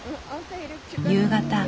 夕方。